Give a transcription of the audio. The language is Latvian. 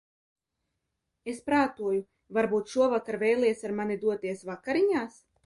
Es prātoju, varbūt šovakar vēlies ar mani doties vakariņās?